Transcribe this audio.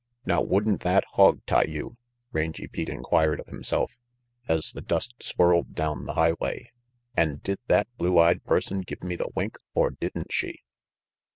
v "Now wouldn't that hog tie you?" Rangy Pete 42 RANGY PETE inquired of himself, as the dust swirled down the highway, "and did that blue eyed person give me the wink or didn't she?"